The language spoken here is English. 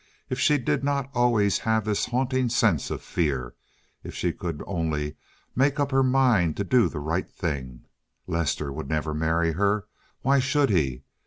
If she did not always have this haunting sense of fear! If she could only make up her mind to do the right thing! Lester would never marry her. Why should he?